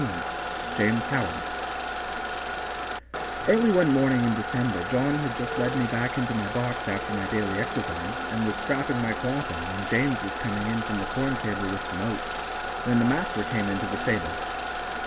14 James Howard Early one morning in December John had just led me into my box after my daily exercise, and was strapping my cloth on and James was coming in from the corn chamber with some oats, when the master came into the stable.